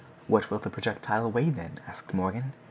"What will the projectile weigh then?" asked Morgan.